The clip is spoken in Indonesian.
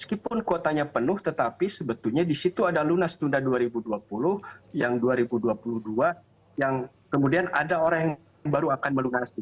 meskipun kuotanya penuh tetapi sebetulnya di situ ada lunas tunda dua ribu dua puluh yang dua ribu dua puluh dua yang kemudian ada orang yang baru akan melunasi